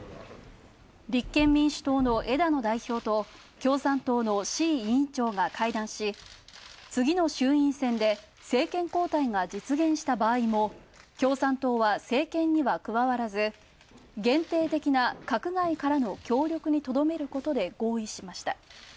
共産党の志位委員長が会談し次の衆院選で政権交代が実現した場合も、共産党は政権には加わらず限定的な閣外からの協力にとどめることで合意しました。